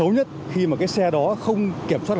nếu mà cái xe đó không kiểm soát